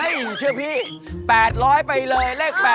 เฮ้ยเชื่อพี่๘๐๐ไปเลยเลข๘สวย